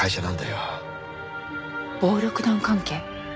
暴力団関係？